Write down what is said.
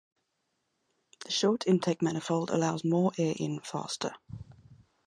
The short intake manifold allows more air in faster.